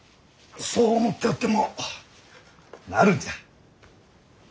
そう思っておってもなるんじゃ。